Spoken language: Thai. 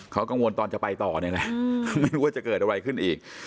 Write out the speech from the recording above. เขากังวลตอนจะไปต่อเนี่ยแหละไม่รู้ว่าจะเกิดอะไรขึ้นอีก